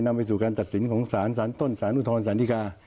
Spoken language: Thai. ไปสู่การตัดสินของสารสารต้นสารอุทธรสารธิกา